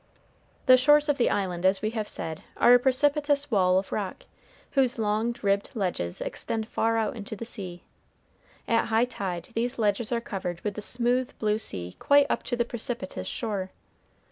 The shores of the Island, as we have said, are a precipitous wall of rock, whose long, ribbed ledges extend far out into the sea. At high tide these ledges are covered with the smooth blue sea quite up to the precipitous shore.